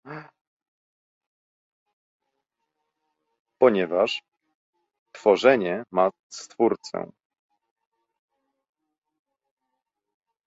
Ponieważ tworzenie ma stwórcę